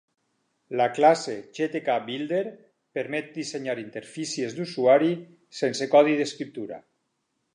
La "Classe Gtk.Builder" permet dissenyar interfícies d'usuari sense codi d'escriptura.